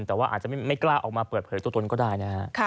แต่ว่าอาจจะไม่กล้าออกมาเปิดเผยตัวตนก็ได้นะฮะ